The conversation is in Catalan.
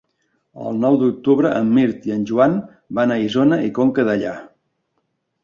El nou d'octubre en Mirt i en Joan van a Isona i Conca Dellà.